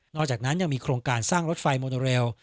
อกจากนั้นยังมีโครงการสร้างรถไฟโมโนเรล